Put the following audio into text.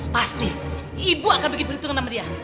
pasti ibu akan bikin perhitungan sama dia